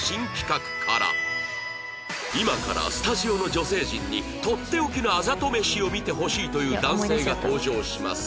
今からスタジオの女性陣にとっておきのあざと飯を見てほしいという男性が登場します